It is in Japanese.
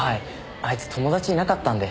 あいつ友達いなかったんで。